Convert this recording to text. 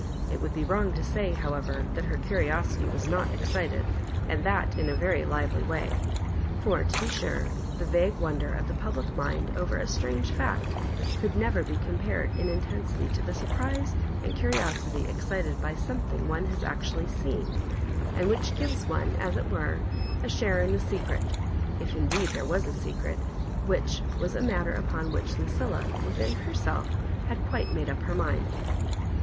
It would be wrong to say, however, that h«r curi • osity was not .excited, and that in a veiy lively way; for, to be sure, the vague wonder of the public mind over a strange &ct, could never be compared in intensity to the surprise and cari osity excited by something one has actually seen, and which gives one, as it were, a diare in the secret,— if indeed there was a secret, which was a matter upon which Lucilla within herself had quite made up her mind.